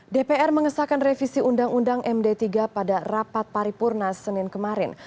dpr mengesahkan revisi undang undang md tiga pada rapat paripurna senin kemarin